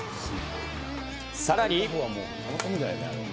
さらに。